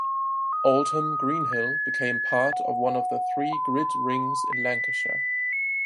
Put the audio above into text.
Oldham Greenhill became part of one of the three grid rings in Lancashire.